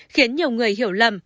khiến nhiều người hiểu lầm